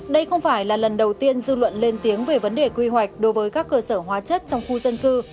đây không phải là lần đầu tiên dư luận lên tiếng về vấn đề quy hoạch đối với các cơ sở hóa chất trong khu dân cư